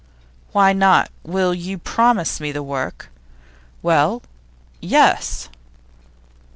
'Why not? Will you promise me the work?' 'Well, yes.